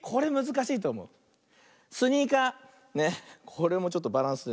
これもちょっとバランス。